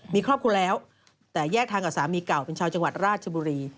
มีครอบครัวแล้วแต่แยกทางกับสามีเก่าเป็นชาวจังหวัดราชบุรี